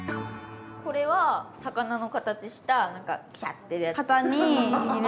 これは魚の形したなんかシャッて。